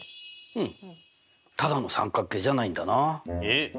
うんただの三角形じゃないんだな。え？